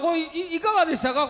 いかがでしたか？